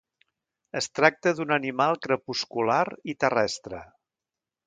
Es tracta d'un animal crepuscular i terrestre.